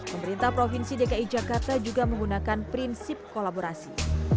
pemerintah provinsi dki jakarta juga menggunakan prinsip kolaborasi